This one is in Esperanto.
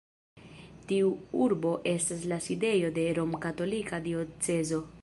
Tiu urbo estas la sidejo de romkatolika diocezo.